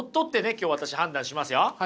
今日私判断しますよ。